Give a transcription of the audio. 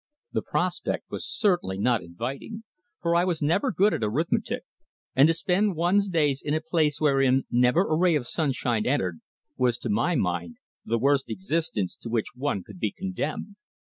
The prospect was certainly not inviting, for I was never good at arithmetic, and to spend one's days in a place wherein never a ray of sunshine entered was to my mind the worst existence to which one could be condemned.